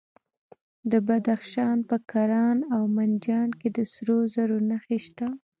د بدخشان په کران او منجان کې د سرو زرو نښې شته.